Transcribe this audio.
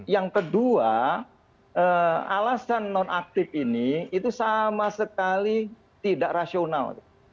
yang kedua alasan nonaktif ini itu sama sekali tidak rasional